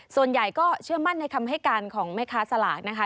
ส่วนใหญ่ก็เชื่อมั่นในคำให้การของแม่ค้าสลากนะคะ